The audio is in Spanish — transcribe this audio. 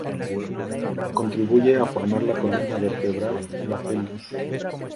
Contribuye a formar la columna vertebral y la pelvis.